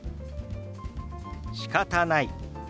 「しかたない」。